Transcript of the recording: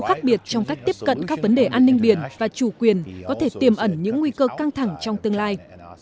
khác biệt trong cách tiếp cận các vấn đề an ninh biển và chủ quyền có thể tiềm ẩn những nguy cơ căng thẳng trong tương lai